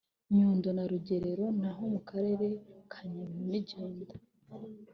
Nyundo na Rugerero naho mu Karere ka Nyabihu ni Jenda